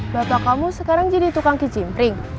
bapak kamu sekarang jadi tukang kicimpring